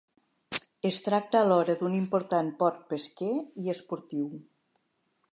Es tracta alhora d'un important port pesquer i esportiu.